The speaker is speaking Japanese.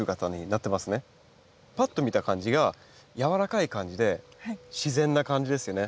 ぱっと見た感じが柔らかい感じで自然な感じですよね。